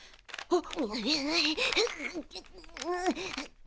あっ！